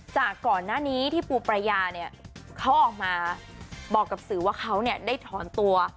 จากก่อนหน้านี้ที่ปูประยาเนี่ยเขาออกมาบอกกับสื่อว่าเขาได้ถอนตัว